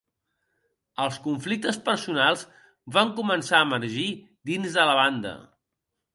Els conflictes personals van començar a emergir dins de la banda.